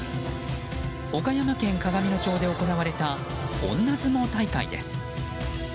岡山県鏡野町で行われたおんな相撲大会です。